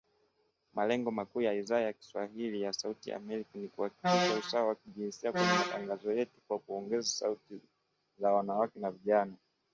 Malengo makuu ya Idhaa ya kiswahili ya Sauti ya Amerika ni kuhakikisha usawa wa jinsia kwenye matangazo yetu kwa kuongeza sauti za wanawake na vijana.